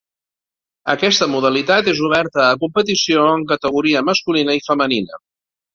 Aquesta modalitat és oberta a competició en categoria masculina i femenina.